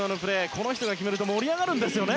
この人が決めると盛り上がるんですよね。